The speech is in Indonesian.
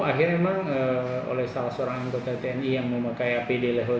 akhirnya memang oleh salah seorang anggota tni yang memakai apd level tiga